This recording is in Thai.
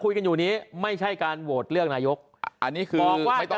คุยกันอยู่นี้ไม่ใช่การโหวตเลือกนายกอันนี้คือไม่ต้อง